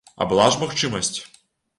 А была ж магчымасць.